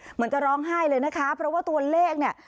เหมือนจะร้องไห้เลยนะคะเพราะว่าตัวเลขเนี่ย